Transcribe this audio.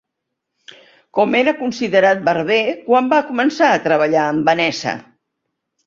Com era considerat Barber quan va començar a treballar en Vanessa?